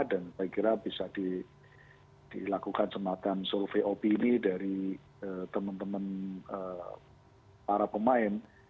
dan saya kira bisa dilakukan semataan survei opini dari teman teman para pemain